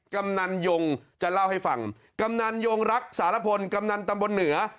กำนันยงจะเล่าให้ฟังกำนันยงรักสารพลกำนันตำบลเหนือ